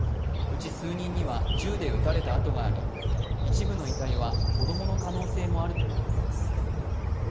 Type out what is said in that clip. うち数人には銃で撃たれた痕があり、一部の遺体は子供の可能性もあるということです。